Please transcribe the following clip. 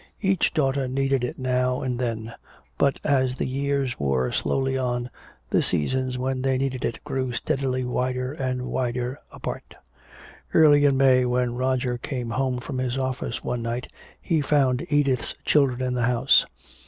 Each daughter needed it now and then. But as the years wore slowly on, the seasons when they needed it grew steadily wider and wider apart.... Early in May, when Roger came home from his office one night he found Edith's children in the house.